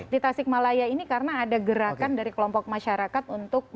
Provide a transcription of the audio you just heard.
di tasik malaya ini karena ada gerakan dari kelompok masyarakat untuk menang